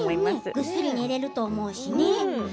ぐっすり眠れるだろうしね。